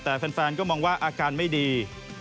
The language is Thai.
แต่แฟนก็มองว่าอาการไม่ดี